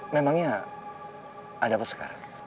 memangnya ada apa sekar